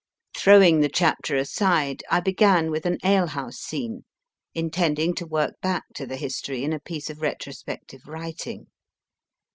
Throwing the chapter aside I began with an alehouse scene, intending to work back to the history in a piece of retrospective writing.